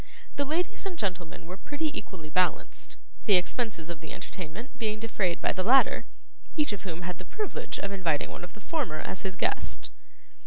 The ladies and gentlemen were pretty equally balanced; the expenses of the entertainment being defrayed by the latter, each of whom had the privilege of inviting one of the former as his guest.